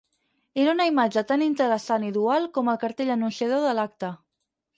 Era una imatge tan interessant i dual com el cartell anunciador de l'acte.